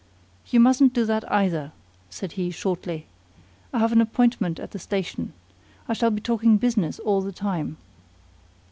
"You mustn't do that either," said he, shortly. "I have an appointment at the station. I shall be talking business all the time."